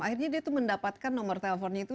akhirnya dia tuh mendapatkan nomor teleponnya itu